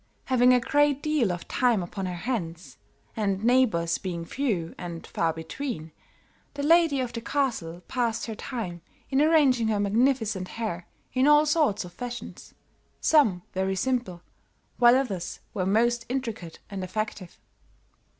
Having a great deal of time upon her hands, and neighbors being few and far between, the lady of the castle passed her time in arranging her magnificent hair in all sorts of fashions, some very simple, while others were most intricate and effective.